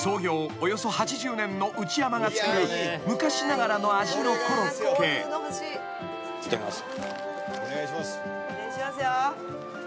およそ８０年の内山が作る昔ながらの味のコロッケ］いただきます。